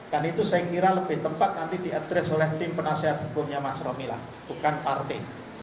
dan itu saya kira lebih tepat nanti diadres oleh tim penasihat hukumnya mas romi lah bukan partai